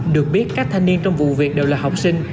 được biết các thanh niên trong vụ việc đều là học sinh